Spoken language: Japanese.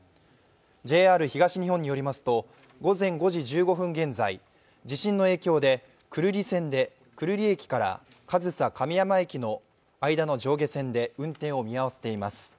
ＪＲ東日本によりますと午前５時１５分現在、地震の影響で久留里駅で久留里駅から上総亀山駅の上下線で運転を見合わせています。